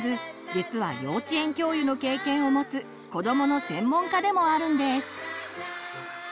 実は幼稚園教諭の経験をもつ子どもの専門家でもあるんです。